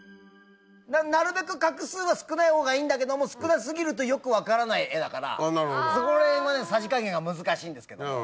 なるべく画数は少ないほうがいいんだけども少な過ぎるとよく分からない絵だからそこらへんのさじ加減が難しいんですけど。